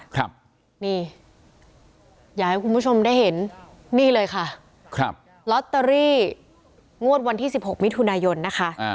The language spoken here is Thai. ครับนี่อยากให้คุณผู้ชมได้เห็นนี่เลยค่ะครับลอตเตอรี่งวดวันที่๑๖มิถุนายนนะคะ